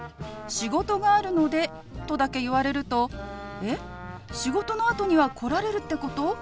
「仕事があるので」とだけ言われると「えっ？仕事のあとには来られるってこと？